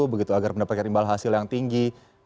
begitu agar mendapatkan imbal hasil yang tinggi